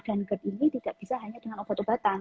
dan gejala ini tidak bisa hanya dengan obat obatan